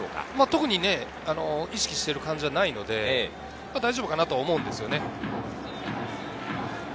特に意識している感じはないので大丈夫かなと思うんですよね。